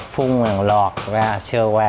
phung lọt ra sơ qua